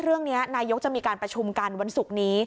เรื่องนี้นายกจะมีการประชุมกันวันศุกร์นี้